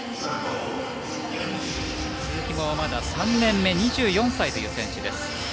鈴木もまだ３年目２４歳という選手です。